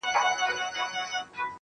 هغې دروغجنې چي په مټ کي دی ساتلی زړه~